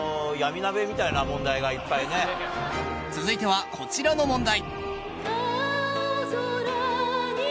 続いてはこちらの問題。